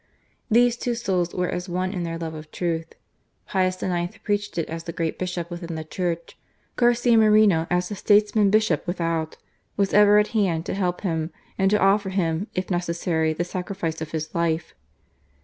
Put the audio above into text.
These two souls were as one in their love of truth. Pius IX. preached it as the great Bishop within the Church : Garcia Moreno, as the statesman bishop without, was ever at hand to help him, and to offer him, if necessary, the sacri fice of his life.